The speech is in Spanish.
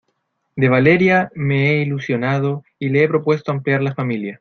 de Valeria me he ilusionado y le he propuesto ampliar la familia